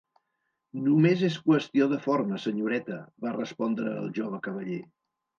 "Només es qüestió de forma, senyoreta", va respondre el jove cavaller.